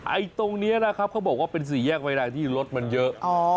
ไอ้ตรงนี้นะครับเขาบอกว่าเป็นสี่แยกเวลาที่รถมันเยอะ